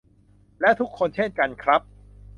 และทุกคนเช่นกันครับ